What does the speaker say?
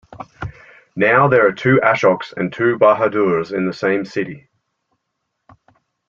Now there are two Ashoks and two Bahadurs in the same city.